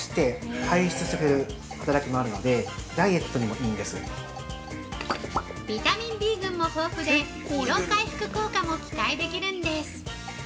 もう一つ◆ビタミンＢ群も豊富で疲労回復効果も期待できるんです。